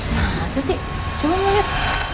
masa sih coba gue liat